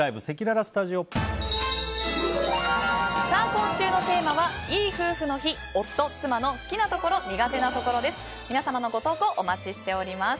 今週のテーマは、いい夫婦の日夫・妻の好きなところ・苦手なところです。